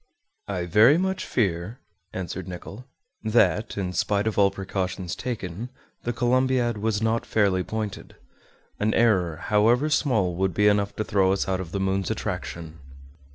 "I very much fear," answered Nicholl, "that, in spite of all precautions taken, the Columbiad was not fairly pointed. An error, however small, would be enough to throw us out of the moon's attraction."